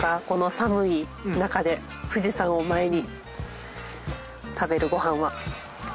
この寒いなかで富士山を前に食べるご飯は。